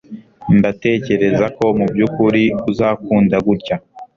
Ndatekereza ko mubyukuri uzakunda gutya